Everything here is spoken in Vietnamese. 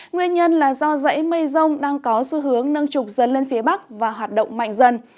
nguyên nhân là do dãy mây rông đang có xu hướng nâng trục dần lên phía bắc và hoạt động mạnh dần